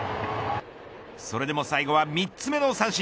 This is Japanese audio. それでも最後は３つ目の三振。